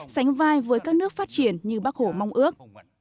sánh vai với các nước phát triển như bắc hổ mong ước